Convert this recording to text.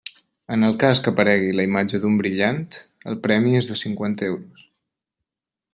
En el cas que aparegui la imatge d'un brillant, el premi és de cinquanta euros.